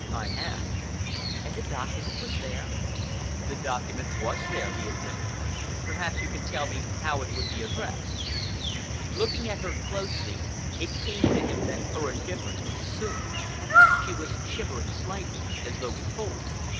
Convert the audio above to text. "I have." "And the document was there?" "The document was there," he admitted. "Perhaps you can tell me how it would be addressed?" Looking at her closely, it came to him that her indifference was assumed. She was shivering slightly, as though with cold.